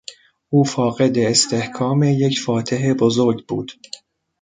او فاقد استحکام یک فاتح بزرگ بود.